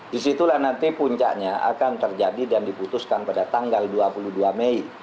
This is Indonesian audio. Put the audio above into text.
disitulah nanti puncaknya akan terjadi dan diputuskan pada tanggal dua puluh dua mei